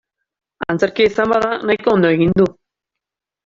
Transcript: Antzerkia izan bada nahiko ondo egin du.